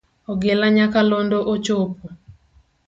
Ogila nyakalondo ochopo.